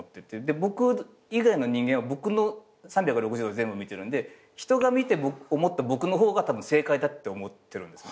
僕以外の人間は僕の３６０度全部見てるんで人が見て思った僕の方が正解だって思ってるんですね。